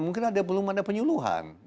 mungkin belum ada penyuluhan